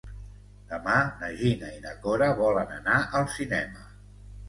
Demà na Gina i na Cora volen anar al cinema.